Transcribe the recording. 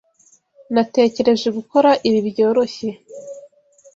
Natekereje gukora ibi byoroshye.